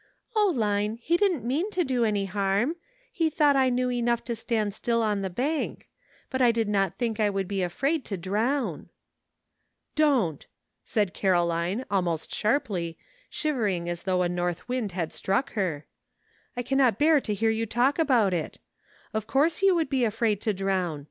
^'Q, I^iqel hp didp't pie^n to do any harm. 38 SOMETHING TO REMEMBER. He thought I knew enough to stand still on the bank. But I did not think I would be afraid to drown." " Don't," said Caroline, almost sharply, shiv ering as though a north wind had struck her, " I cannot bear to hear you talk about it. Of course you would be afraid to drown.